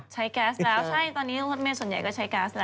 แก๊สแล้วใช่ตอนนี้รถเมฆส่วนใหญ่ก็ใช้แก๊สแล้ว